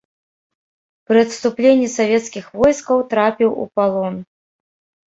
Пры адступленні савецкіх войскаў трапіў у палон.